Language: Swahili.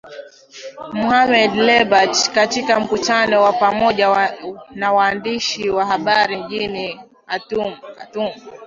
Mohamed Lebatt katika mkutano wa pamoja na waandishi wa habari mjini Khartoum